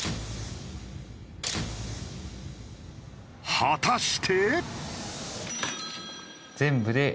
果たして。